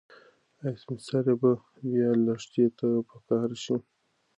ایا سپین سرې به بیا لښتې ته په قهر شي؟